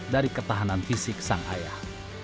dari ketahanan fisik sang ayah